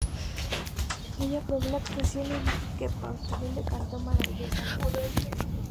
Ella aprobó la actuación, y dijo que Paltrow "la cantó maravillosamente".